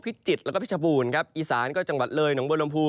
จิตแล้วก็พิชบูรณ์ครับอีสานก็จังหวัดเลยหนองบัวลำพู